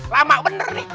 lama bener nih